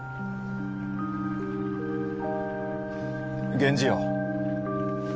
源氏よ。